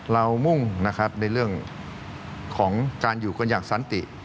มุ่งนะครับในเรื่องของการอยู่กันอย่างสันติ